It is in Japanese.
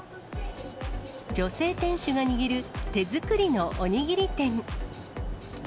女性店主が握る、手作りのおにぎり店。